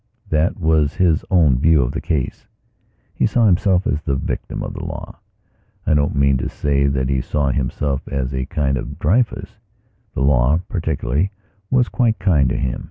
That was his own view of the case. He saw himself as the victim of the law. I don't mean to say that he saw himself as a kind of Dreyfus. The law, practically, was quite kind to him.